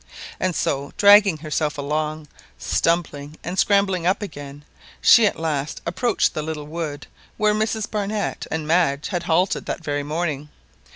And so dragging herself along, stumbling and scrambling up again, she at last approached the little wood where Mrs. Barnett and Madge had halted that very morning.